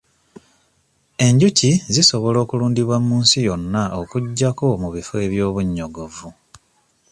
Enjuki zisobola okulundibwa mu nsi yonna okuggyako mu bifo eby'obunnyogovu.